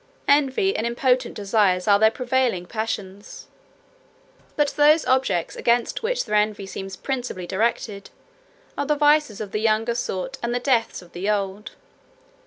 Envy and impotent desires are their prevailing passions. But those objects against which their envy seems principally directed, are the vices of the younger sort and the deaths of the old.